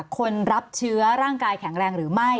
คนรับเชื้อร่างกายแข็งแรงหรือไม่